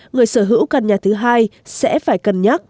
người sở hữu căn nhà thứ hai sẽ phải cân nhắc